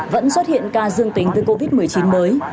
vẫn xuất hiện ca dương tính với covid một mươi chín mới